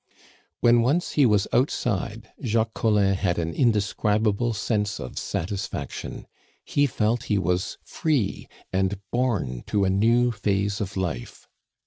When once he was outside, Jacques Collin had an indescribable sense of satisfaction. He felt he was free, and born to a new phase of life.